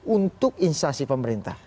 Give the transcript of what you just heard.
untuk instansi pemerintah